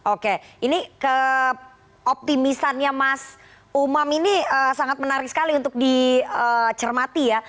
oke ini keoptimisannya mas umam ini sangat menarik sekali untuk dicermati ya